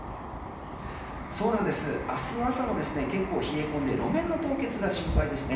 明日の朝も結構冷え込んで路面の凍結が心配ですね。